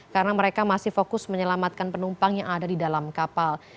karena mereka masih fokus menyelamatkan penumpang yang ada di dalam kapal